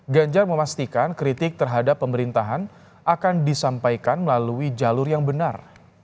ganjar memastikan kritik terhadap pemerintahan akan disampaikan melalui jalur yang benar